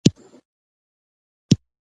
اوس به له دې پسه څه عطار لره وردرومم